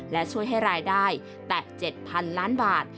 และช่วยให้รายได้แต่๗๐๐๐ล้านบาท